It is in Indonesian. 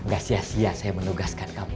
gak sia sia saya menugaskanmu